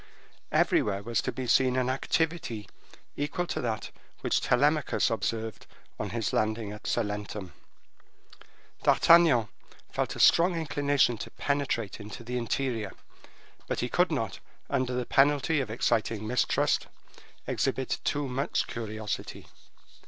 Everywhere was to be seen an activity equal to that which Telemachus observed on his landing at Salentum. D'Artagnan felt a strong inclination to penetrate into the interior; but he could not, under the penalty of exciting mistrust, exhibit too much curiosity.